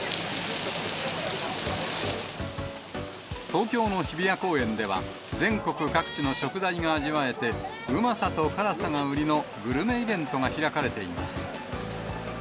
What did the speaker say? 東京の日比谷公園では、全国各地の食材が味わえて、うまさと辛さが売りのグルメイベントが開かれています。